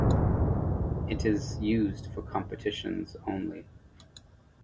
It is used for competitions only.